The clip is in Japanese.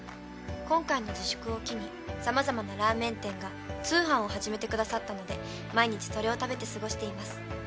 今回の自粛を機に様々なラーメン店が通販を始めてくださったので毎日それを食べて過ごしています。